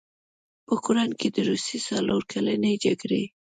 په اوکراین کې د روسیې څلورکلنې جګړې